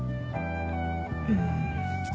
うん。